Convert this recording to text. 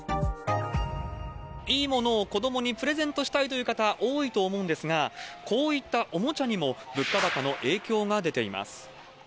いいものを子どもにプレゼントしたいという方、多いと思うんですが、こういったおもちゃにも、物価高の影響が出ています。